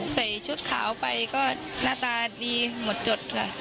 ใส่ชุดขาวไปก็หน้าตาดีหมดจดค่ะ